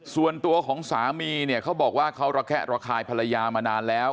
ส่วนตัวของสามีเนี่ยเขาบอกว่าเขาระแคะระคายภรรยามานานแล้ว